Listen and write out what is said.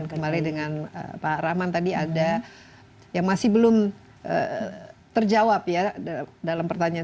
kembali dengan pak rahman tadi ada yang masih belum terjawab ya dalam pertanyaan